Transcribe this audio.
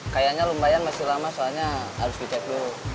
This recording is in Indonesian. kayaknya lumayan masih lama soalnya harus di cek dulu